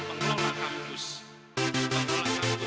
pengelola kampus pengelola kampus